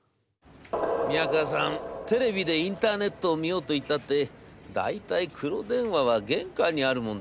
『宮河さんテレビでインターネットを見ようといったって大体黒電話は玄関にあるもんですよ。